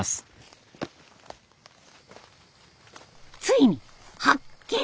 ついに発見！